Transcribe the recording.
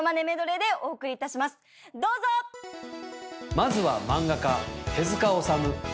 まずは漫画家手塚治虫。